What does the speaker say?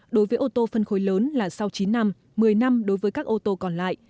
đối với ô tô phân khối lớn là sau chín năm một mươi năm đối với các ô tô còn lại